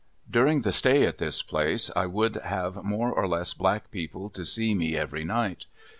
During the stay at this place I would have more or less black people to see me every night.